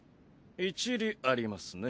一理ありますね。